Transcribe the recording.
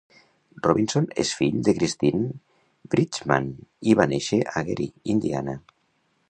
Robinson és fill de Christine Bridgeman i va nàixer a Gary, Indiana.